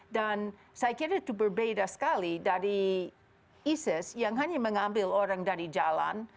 dan saya kira itu berbeda sekali dari isis yang hanya mengambil orang dari jalan